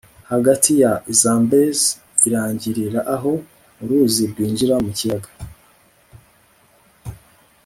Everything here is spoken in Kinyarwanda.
hagati ya zambezi irangirira aho uruzi rwinjira mu kiyaga